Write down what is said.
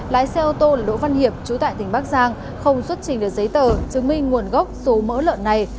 lái xe ô tô là đỗ văn hiệp chú tại tỉnh bắc giang không xuất trình được giấy tờ chứng minh nguồn gốc số mỡ lợn này